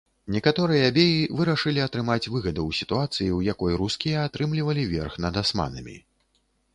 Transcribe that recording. Некаторыя беі вырашылі атрымаць выгаду ў сітуацыі, у якой рускія атрымлівалі верх над асманамі.